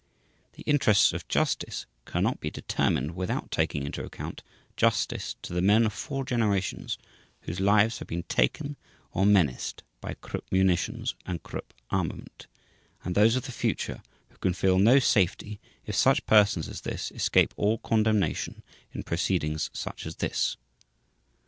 The "interests of justice" cannot be determined without taking into account justice to the men of four generations whose lives have been taken or menaced by Krupp munitions and Krupp armament, and those of the future who can feel no safety if such persons as this escape all condemnation in proceedings such as this.